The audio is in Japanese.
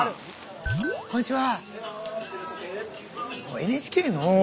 こんにちは。